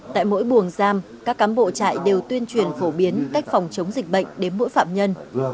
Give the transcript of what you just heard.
tại mỗi buồng giam các cám bộ chạy đều tuyên truyền phổ biến cách phòng chống dịch bệnh đến mỗi phạm nhân